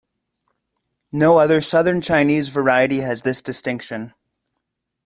No other southern Chinese variety has this distinction.